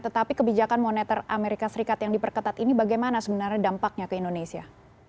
tetapi kebijakan moneter amerika serikat yang diperketat ini bagaimana sebenarnya dampaknya ke indonesia